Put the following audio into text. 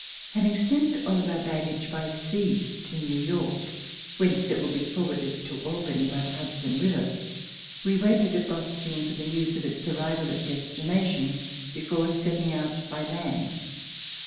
Having sent all of our baggage by sea to New York, whence it would be forwarded to Albany by the Hudson River, we waited at Boston for the news of its arrival at destination before set ting out by land.